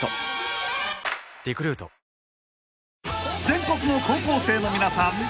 ［全国の高校生の皆さん